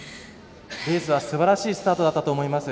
レースは、すばらしいスタートだったと思います。